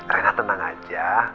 rena tenang aja